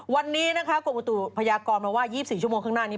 วันนี้นะคะกรมอุตุพยากรมาว่า๒๔ชั่วโมงข้างหน้านี้